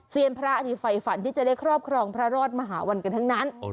พระอดีตไฟฝันที่จะได้ครอบครองพระรอดมหาวันกันทั้งนั้น